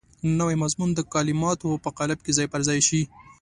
نوی مضمون د کلماتو په قالب کې ځای پر ځای شي.